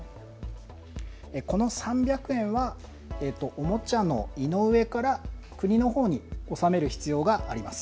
この３００円はおもちゃの井上から国に納める必要があります。